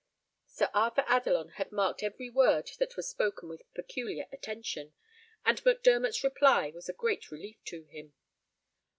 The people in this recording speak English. Sir Arthur Adelon had marked every word that was spoken with peculiar attention, and Mac Dermot's reply was a great relief to him.